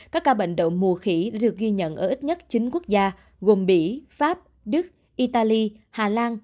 các ca bệnh đậu mùa khỉ được ghi nhận ở ít nhất chín quốc gia gồm mỹ pháp đức italy hà lan